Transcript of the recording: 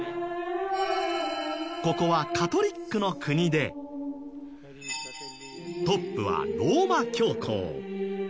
ここはカトリックの国でトップはローマ教皇。